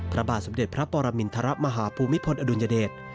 พระบาทสมเด็จพระปรมินทรมาฮภูมิพลอดุลยเดช